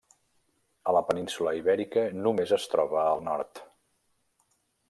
A la península Ibèrica només es troba al nord.